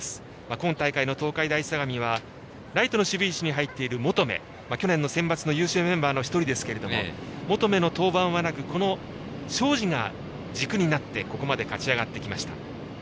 今大会の東海大相模はライトの守備位置に入っている求去年のセンバツの優勝メンバーの１人ですが求の登板はなくこの庄司が軸になってここまで勝ち上がってきました。